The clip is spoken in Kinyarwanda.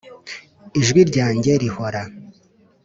ijwi ryanjye rihora,